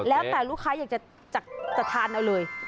แล้วแต่ลูกค้าอยากจะทานเอาเลย